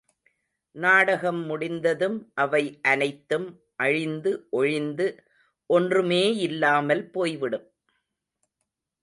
நாடகம் முடிந்ததும் அவை அனைத்தும் அழிந்து ஒழிந்து ஒன்றுமேயில்லாமல் போய்விடும்.